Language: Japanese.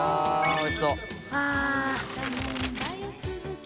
おいしそう！